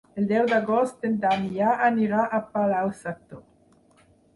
El deu d'agost en Damià anirà a Palau-sator.